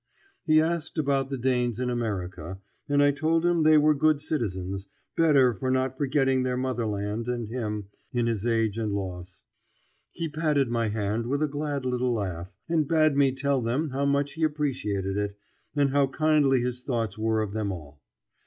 He asked about the Danes in America, and I told him they were good citizens, better for not forgetting their motherland and him in his age and loss. He patted my hand with a glad little laugh, and bade me tell them how much he appreciated it, and how kindly his thoughts were of them all.